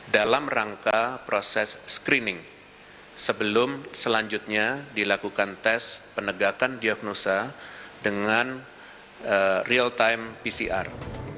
dalam rangka proses screening sebelum selanjutnya dilakukan tes penegakan diagnosa dengan real time pcr